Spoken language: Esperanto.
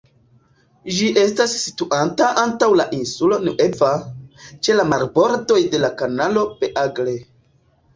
Ĝi estas situanta antaŭ la Insulo Nueva, ĉe la marbordoj de la Kanalo Beagle.